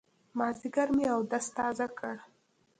مازيګر مې اودس تازه کړ.